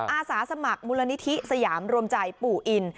อาสาสมัครมูลนิธิสยามรวมใจปู่อิน